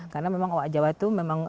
karena memang oha jawa itu